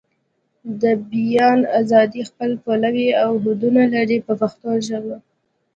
د بیان ازادي خپلې پولې او حدونه لري په پښتو ژبه.